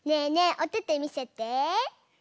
おててみせて！